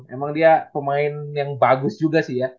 emang dia pemain yang bagus juga sih ya